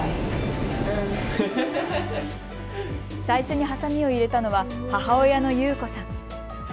最初にはさみを入れたのは母親の祐子さん。